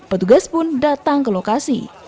petugas pun datang ke lokasi